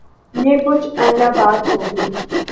یہ خوش آئند بات ہو گی۔